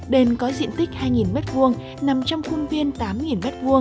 đền có diện tích hai m hai nằm trong khuôn viên tám m hai